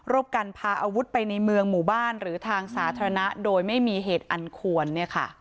การพาอาวุธไปในเมืองหมู่บ้านหรือทางสาธารณะโดยไม่มีเหตุอันควร